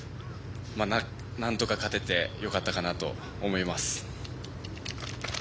なんとか勝ててよかったかなと思います。